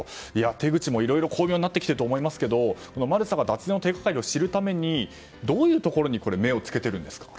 手口もいろいろ巧妙になってきていると思いますけどマルサが脱税の手篝を知るためにどういうところに目をつけているんですか？